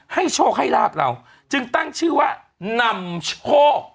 โชคให้ลาบเราจึงตั้งชื่อว่านำโชค